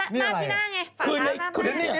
นี่นาบที่หน้าไง